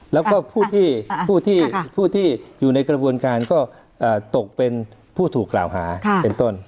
แล้วก็ผู้ที่อยู่ในกระบวนการก็ตกเป็นผู้ถูกกล่าวหาเป็นต้น